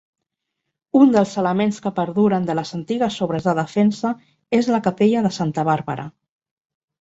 Un dels elements que perduren de les antigues obres de defensa és la capella de Santa Bàrbara.